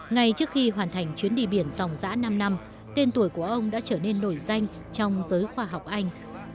ngay trước khi hoàn thành chuyến đi biển dòng giã năm năm tên tuổi của ông đã trở nên nổi danh trong giới khoa học anh